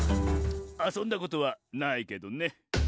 「あそんだことはないけどね」